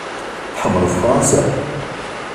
Tḥemmleḍ Fṛansa?